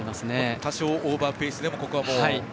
多少オーバーペースでもここは、もう。